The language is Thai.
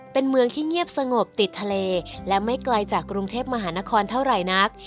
เป็นเมืองที่เงียบสงบติดทะเลและไม่ไกลจากกรุงเทพมหานครเท่าไหร่นัก